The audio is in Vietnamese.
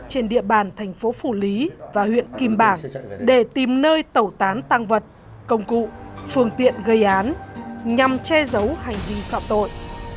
trên địa bàn thành phố phủ lý và huyện kim bảng để tìm nơi tẩu tán tăng vật công cụ phương tiện gây án nhằm che giấu hành vi phạm tội